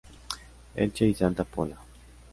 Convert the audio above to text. Elche y Santa Pola.